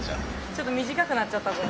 ちょっと短くなっちゃった。